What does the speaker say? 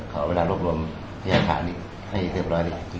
ขอเวลารวบเท่ากันให้เรียบร้อยหนึ่งก่อนครับ